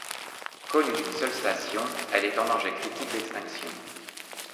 Connue d'une seule station, elle est en danger critique d'extinction.